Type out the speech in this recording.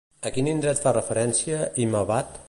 A quin indret fa referència Hima-vat?